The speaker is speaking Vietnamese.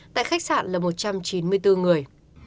tại khách sạn là một trăm chín mươi bốn người